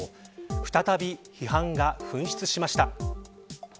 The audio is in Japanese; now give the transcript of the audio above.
再び批判が噴出しました。